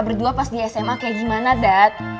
berdua pas di sma kayak gimana dad